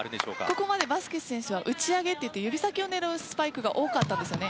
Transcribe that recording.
ここまでバスケス選手は打ち上げといって、指先を狙うスパイクが多かったんですね。